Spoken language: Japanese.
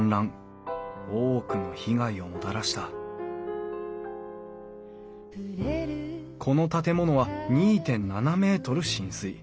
多くの被害をもたらしたこの建物は２．７ｍ浸水。